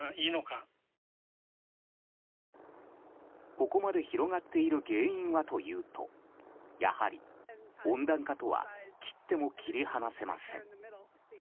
ここまで広がっている原因はというとやはり温暖化とは切っても切り離せません。